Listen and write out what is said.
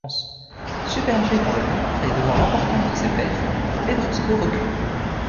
Submergé par le nombre et devant l'importance de ses pertes, Pedroso recule.